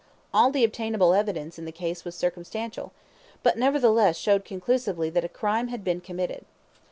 All the obtainable evidence in the case was circumstantial, but, nevertheless, showed conclusively that a crime had been committed.